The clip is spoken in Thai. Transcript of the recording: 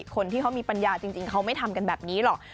คนที่เขามีปัญญาจริงเขาไม่ทำกันแบบนี้หรอก